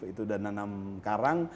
itu sudah nanam karang